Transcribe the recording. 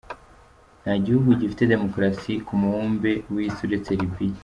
Nta gihugu gifite demukarasi ku mubumbe w’Isi uretse Libiya.